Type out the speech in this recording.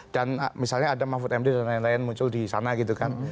dan misalnya ada mahfud md dan lain lain muncul di sana gitu kan